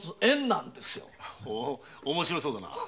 ほう面白そうだな。